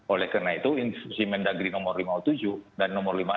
oleh karena itu instruksi mendagri nomor lima puluh tujuh dan nomor lima puluh enam